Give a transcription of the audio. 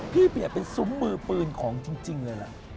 พี่เปลี่ยนเป็นซุ้มมือปืนของจริงเลยล่ะ